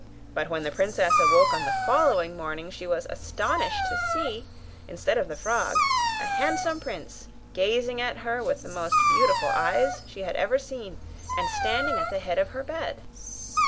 But when the princess awoke on the following morning she was astonished to see, instead of the frog, a handsome prince, gazing on her with the most beautiful eyes she had ever seen, and standing at the head of her bed.